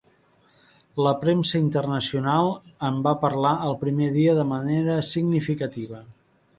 La premsa internacional en va parlar el primer dia de manera significativa.